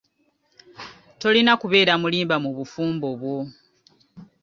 Tolina kubeera mulimba mu bufumbo bwo.